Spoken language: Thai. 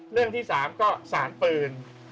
เรื่องที่๓ก็สารปืน